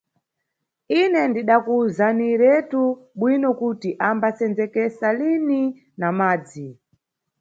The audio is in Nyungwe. Ine ndidakuwuzaniretu bwino kuti ambasenzekesa lini na madzi.